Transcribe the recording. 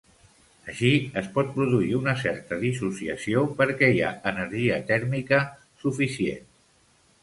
Així, es pot produir una certa dissociació perquè hi ha energia tèrmica suficient.